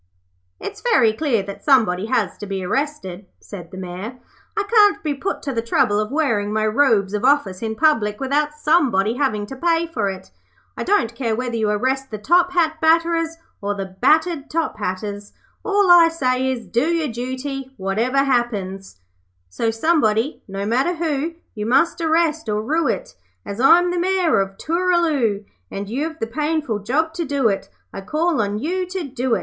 'It's very clear that somebody has to be arrested,' said the Mayor. 'I can't be put to the trouble of wearing my robes of office in public without somebody having to pay for it. I don't care whether you arrest the top hat batterers, or the battered top hatters; all I say is, do your duty, whatever happens 'So somebody, no matter who, You must arrest or rue it; As I'm the Mayor of Tooraloo, And you've the painful job to do, I call on you to do it.'